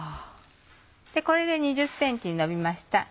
これで２０ｃｍにのびました。